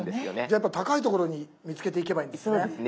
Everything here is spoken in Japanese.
やっぱ高い所に見つけていけばいいんですね。